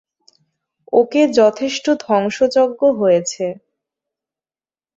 ওকে, যথেষ্ট ধ্বংসযজ্ঞ হয়েছে।